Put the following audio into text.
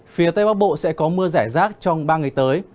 phía tây bắc bộ sẽ có mưa rải rác trong ba ngày tới